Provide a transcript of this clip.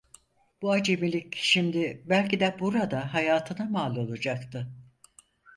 Bu acemilik şimdi belki de burada hayatına mal olacaktı.